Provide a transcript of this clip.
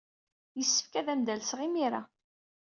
Yessefk ad am-d-alseɣ imir-a.